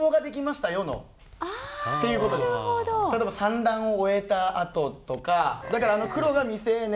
例えば産卵を終えたあととかだからあの黒が未成年。